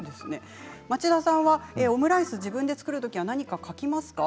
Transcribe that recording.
町田さんはオムレツ自分で作るときは何か書きますか？